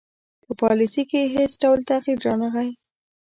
په پالیسي کې یې هیڅ ډول تغیر رانه غی.